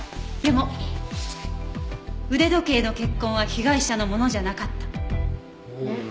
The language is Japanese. でも腕時計の血痕は被害者のものじゃなかった。